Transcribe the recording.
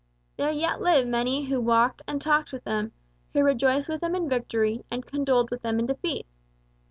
There yet live many who walked and talked with them, who rejoiced with them in victory and condoled with them in defeat.